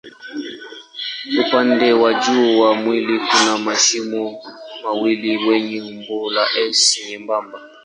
Upande wa juu wa mwili kuna mashimo mawili yenye umbo la S nyembamba.